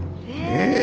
え！